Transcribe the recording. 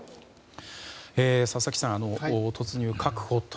佐々木さん突入、確保と。